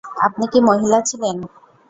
আপনি কি মহিলা ছিলেন?